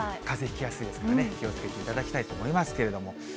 かぜひきやすいので、気をつけていただきたいと思いますけれども。